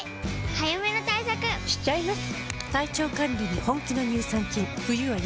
早めの対策しちゃいます。